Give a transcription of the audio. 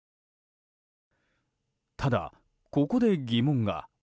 ただ、ここで疑問が。